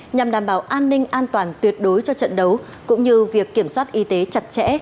nhằm đảm bảo an ninh an toàn tuyệt đối cho trận đấu cũng như việc kiểm soát y tế chặt chẽ